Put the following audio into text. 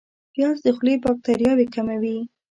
پیاز د خولې باکتریاوې کموي